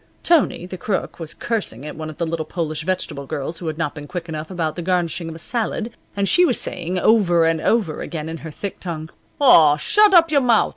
Tony, the Crook, was cursing at one of the little Polish vegetable girls who had not been quick enough about the garnishing of a salad, and she was saying, over and over again, in her thick tongue: "Aw, shod op yur mout'!"